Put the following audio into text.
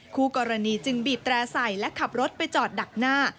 คู่กรณีจึงบีบแตร่ใส่และขับรถไปจอดดักหน้า